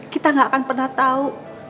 kita gak akan pernah tahu